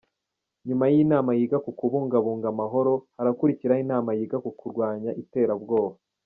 Nyuma y’iyi nama yiga ku kubungabunga amahoro, harakurikiraho inama yiga ku kurwanya iterabwoba.